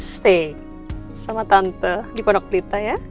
steak sama tante di pondok pelita ya